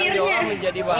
yang doang menjadi bahan